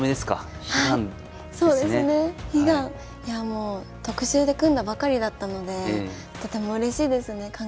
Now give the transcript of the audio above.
いやもう特集で組んだばかりだったのでとてもうれしいですね。